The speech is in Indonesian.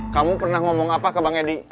kamu pernah ngomong apa ke bang edi